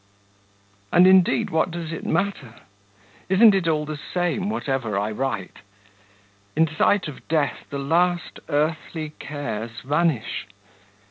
And indeed, what does it matter? Isn't it all the same whatever I write? In sight of death the last earthly cares vanish.